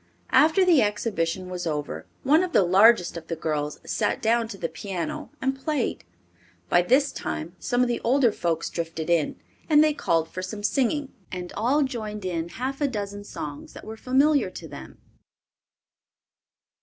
After the exhibition was over one of the largest of the girls sat down to the piano and played. By this time some of the older folks drifted in, and they called for some singing, and all joined in half a dozen songs that were familiar to them.